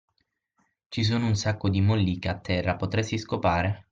Ci sono un sacco di molliche a terra, potresti scopare?